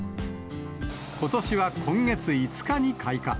ことしは今月５日に開花。